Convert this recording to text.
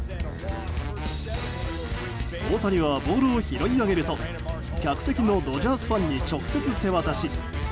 大谷はボールを拾い上げると客席のドジャースファンに直接手渡し。